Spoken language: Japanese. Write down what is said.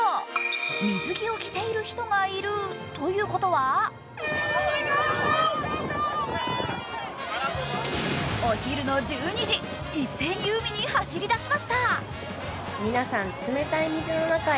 水着を着ている人がいるということはお昼の１２時、一斉に海に走り出しました。